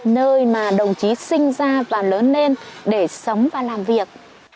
nơi mà đồng chí sinh ra và lớn lên để sống và làm việc